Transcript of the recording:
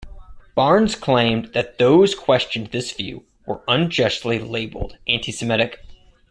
Barnes claimed that those questioned this view were unjustly labeled anti-Semitic.